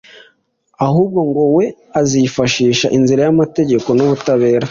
ahubwo ngo we azifashisha inzira y’amategeko n’ubutabera